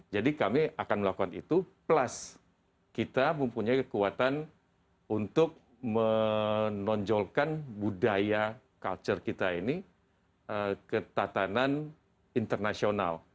jadi kami akan melakukan itu plus kita mempunyai kekuatan untuk menonjolkan budaya culture kita ini ke tatanan internasional